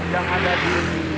yang ada di